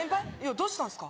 どうしたんですか？